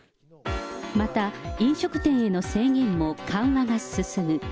また、飲食店への制限も緩和が進む。